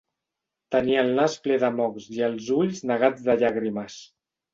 Tenia el nas ple de mocs i els ulls negats de llàgrimes.